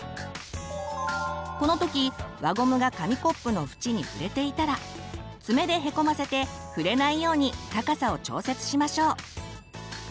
この時輪ゴムが紙コップの縁に触れていたら爪でへこませて触れないように高さを調節しましょう。